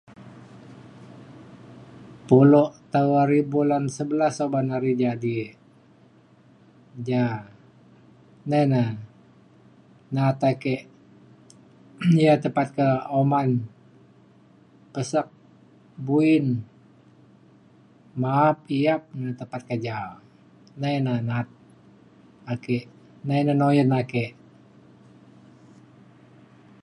pulo tau ari bulan sebelas oban hari jadi ek ja nai na na'at ake ia' tepat ke uman pesak buin ma'ap yap ne tepat keja o, nai na na'at ake nai na nuyen ake